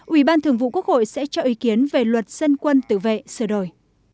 ủy ban thường vụ quốc hội sẽ cho ý kiến về luật dân quân tự vệ sửa đổi